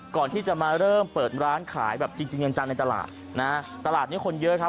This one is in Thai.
ก่อนที่จะมาเริ่มเปิดร้านขายแบบจริงจริงจังในตลาดนะฮะตลาดนี้คนเยอะครับ